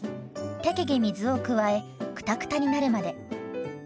適宜水を加えクタクタになるまで。